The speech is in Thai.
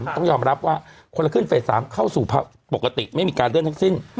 ต้องยอมรับว่าคนละครึ่งเฟส๓เข้าสู่ปกติไม่มีการเลื่อนทั้งสิ้น